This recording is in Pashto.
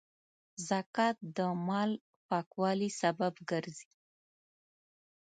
زکات د مال پاکوالي سبب ګرځي.